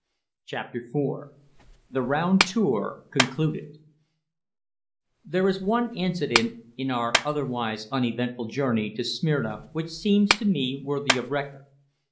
CHAPTER IV THE ROUND TOUR CONCLUDED There is one incident in our otherwise uneventful journey to Smyrna which seems to me worthy of record.